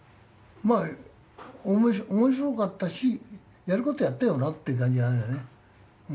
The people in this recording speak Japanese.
おもしろかったしやることやったよなって感じはあるよね。